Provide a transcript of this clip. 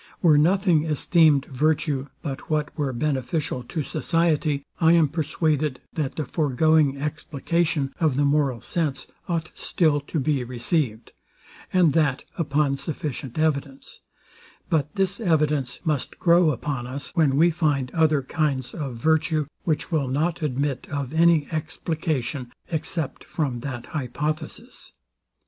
Were nothing esteemed virtue but what were beneficial to society, I am persuaded, that the foregoing explication of the moral sense ought still to be received, and that upon sufficient evidence: But this evidence must grow upon us, when we find other kinds of virtue, which will not admit of any explication except from that hypothesis.